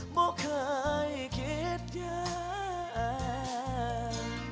ไม่เคยคิดอย่าง